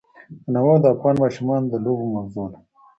تنوع د افغان ماشومانو د لوبو موضوع ده.